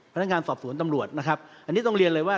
พนักงานสอบสวนตำรวจนะครับอันนี้ต้องเรียนเลยว่า